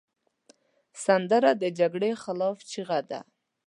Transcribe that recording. سندره د جګړې خلاف چیغه ده